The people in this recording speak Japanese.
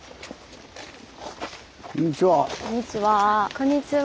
こんにちは。